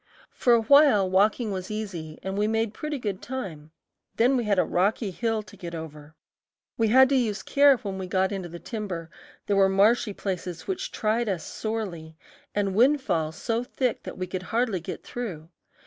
For a while walking was easy and we made pretty good time; then we had a rocky hill to get over. We had to use care when we got into the timber; there were marshy places which tried us sorely, and windfall so thick that we could hardly get through.